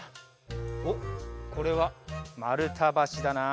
おっこれはまるたばしだな。